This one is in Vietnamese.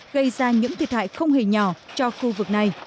gây ra những thiệt hại không hề nhỏ cho khu vực này